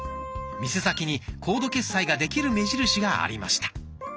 店先にコード決済ができる目印がありました。